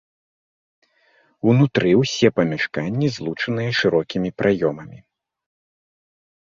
Унутры ўсе памяшканні злучаныя шырокімі праёмамі.